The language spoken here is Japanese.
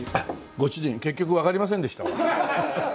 ご主人結局わかりませんでしたわ。